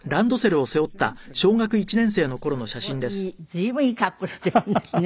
随分いい格好しているんですね